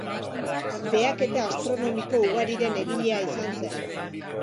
Behaketa astronomiko ugariren egilea izan zen.